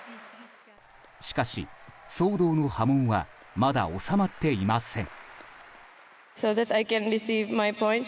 しかし、騒動の波紋はまだ収まっていません。